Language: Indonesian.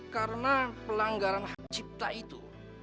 karena pelanggaran hak cipta itu